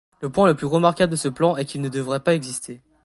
Le point le plus remarquable de ce plan est qu'il ne devrait pas exister.